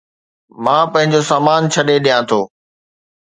مان پنهنجو سامان ڇڏي ڏيان ٿو